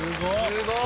すごい。